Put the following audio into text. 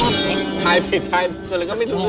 ถ่ายผิดถ่ายจนเราก็ไม่รู้